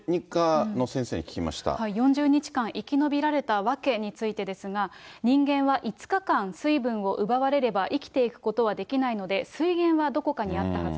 ４０日間生き延びられた訳についてですが、人間は５日間、水分を奪われれば生きていくことはできないので、水源はどこかにあったはず。